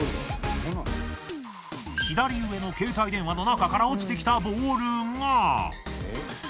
左上の携帯電話の中から落ちてきたボールが。